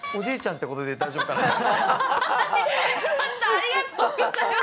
ありがとうございます！